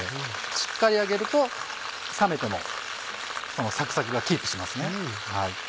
しっかり揚げると冷めてもそのサクサクがキープしますね。